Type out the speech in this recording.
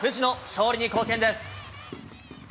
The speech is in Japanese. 勝利に貢献です。